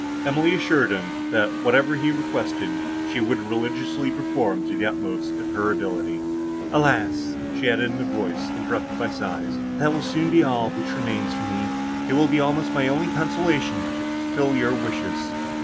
Emily assured him, that, whatever he requested she would religiously perform to the utmost of her ability. "Alas!" added she, in a voice interrupted by sighs, "that will soon be all which remains for me; it will be almost my only consolation to fulfil your wishes."